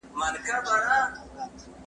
له خپل زوج څخه عورت مه پټوئ.